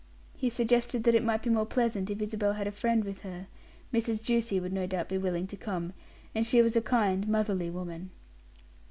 He suggested that it might be more pleasant if Isabel had a friend with her; Mrs. Ducie would no doubt be willing to come, and she was a kind, motherly woman.